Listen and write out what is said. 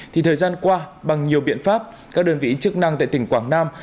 thì thời gian qua bằng nhiều biện pháp các đơn vị chức năng tại tỉnh quảng nam